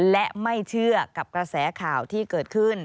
และไม่เชื่อกับกระแสข่าวที่เกิดขึ้น